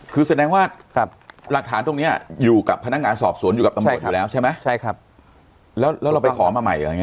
คือแสดงว่าหลักฐานตรงนี้อยู่กับพนักงานสอบสวนอยู่กับตำรวจอยู่แล้วใช่ไหมใช่ครับแล้วเราไปขอมาใหม่อะไรอย่างนี้